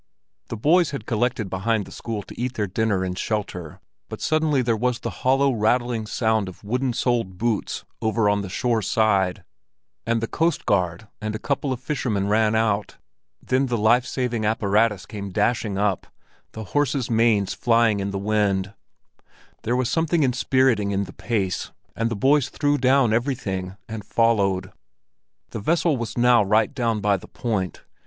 The boys had collected behind the school to eat their dinner in shelter, but suddenly there was the hollow rattling sound of wooden soled boots over on the shore side, and the coastguard and a couple of fishermen ran out. Then the life saving apparatus came dashing up, the horses' manes flying in the wind. There was something inspiriting in the pace, and the boys threw down everything and followed. The vessel was now right down by the point.